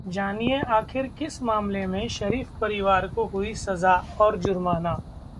जानिए- आखिर किस मामले में शरीफ परिवार को हुई सजा और जुर्माना